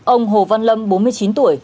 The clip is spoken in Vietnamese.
ông hồ văn lâm bốn mươi chín tuổi